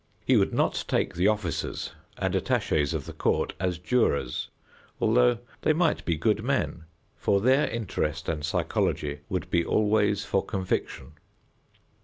He would not take the officers and attachés of the court as jurors, although they might be good men, for their interest and psychology would be always for conviction.